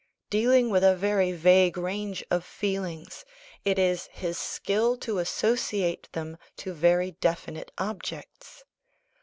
Dealing with a very vague range of feelings, it is his skill to associate them to very definite objects.